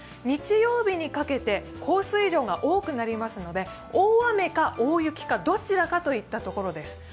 日曜日にかけて降水量が多くなりますので大雨か大雪かどちらかといったところです。